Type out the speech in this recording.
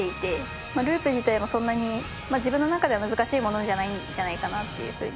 ループ自体もそんなに自分の中では難しいものじゃないんじゃないかなっていう風に。